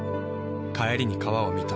帰りに川を見た。